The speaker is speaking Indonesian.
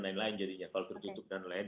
lain lain jadinya kalau tertutup dan lain